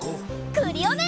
クリオネ！